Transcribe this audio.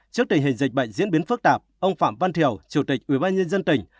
trước tình hình dịch bệnh diễn biến phức tạp ông phạm văn thiểu chủ tịch ủy ban nhân dân tỉnh